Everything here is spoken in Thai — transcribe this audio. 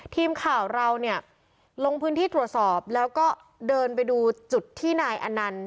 ทีมข่าวเราเนี่ยลงพื้นที่ตรวจสอบแล้วก็เดินไปดูจุดที่นายอนันต์